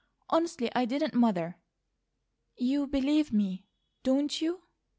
Honestly I didn't, Mother. You believe me, don't you?"